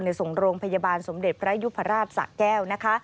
ในสงโรงพยาบาลสมเด็จพระยุพราชสะแก้ว